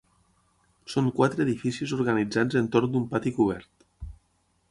Són quatre edificis organitzats entorn d'un pati cobert.